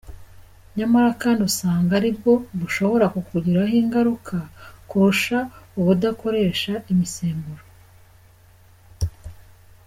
Nyamara kandi usanga aribwo bushobora kukugiraho ingaruka kurusha ubudakoresha imisemburo.